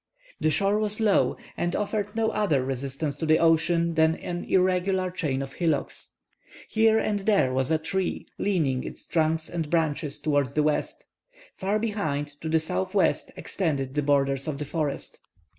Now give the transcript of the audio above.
The shore was low, and offered no other resistance to the ocean than an irregular chain of hillocks. Here and there was a tree, leaning its trunks and branches towards the west. Far behind, to the southwest, extended the borders of the forest.